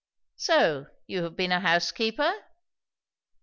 "So you have been a housekeeper!"